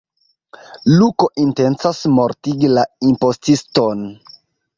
Luko intencas mortigi la impostiston.